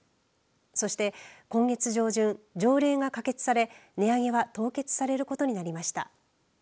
そして今月上旬条例が可決され値上げは凍結されることになりました。